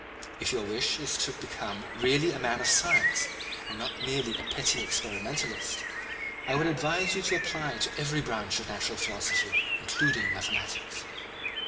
If your wish is to become really a man of science and not merely a petty experimentalist, I should advise you to apply to every branch of natural philosophy, including mathematics."